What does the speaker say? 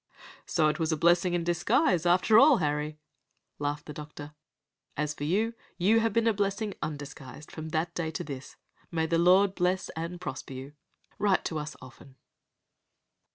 "So it was a blessing in disguise, after all, Harry," laughed the doctor. "As for you, you have been a blessing undisguised from that day to this. May the Lord bless and prosper you! Write to us often."